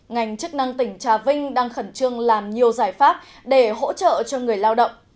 ngành chức năng tỉnh trà vinh đang khẩn trương làm nhiều giải pháp để hỗ trợ cho người lao động